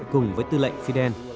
cùng với tư lệnh